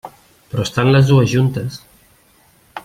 Però estan les dues juntes.